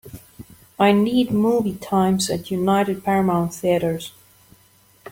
I need movie times at United Paramount Theatres